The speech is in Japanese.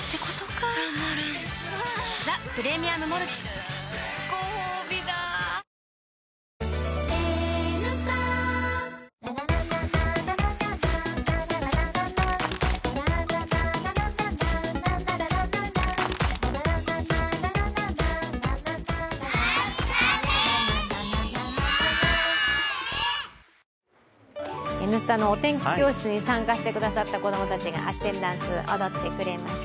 しみるごほうびだ「Ｎスタ」のお天気教室に参加してくださった子供たちにあし天ダンス踊ってくれました。